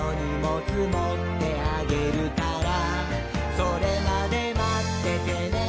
「それまでまっててねー！」